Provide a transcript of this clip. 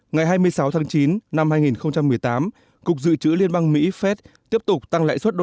ngày hai mươi sáu tháng chín năm hai nghìn một mươi tám cục dự trữ liên bang mỹ phép tiếp tục tăng lãi suất usd